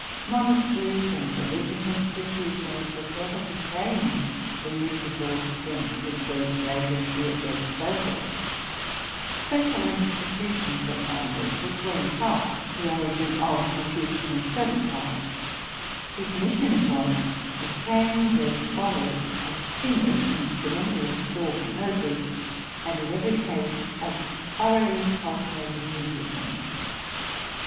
Monasteries and religious institutions were careful to train the musical strength, which was later to be at their disposal; special institutions were founded, which were in part the origin of the future Conservatoires, whose mission it was to train their scholars as singers, instrumentalists, or composers, and in every case as thoroughly cultivated musicians.